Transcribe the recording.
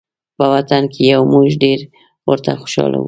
په وطن کې یو موږ ډېر ورته خوشحاله